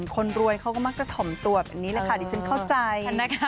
คนรวยเขาก็มักจะถ่อมตัวแบบนี้แหละค่ะดิฉันเข้าใจนะคะ